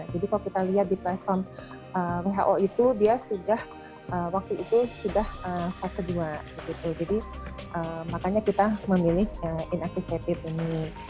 jadi kalau kita lihat di platform who itu dia sudah waktu itu sudah fase dua jadi makanya kita memilih inactivated ini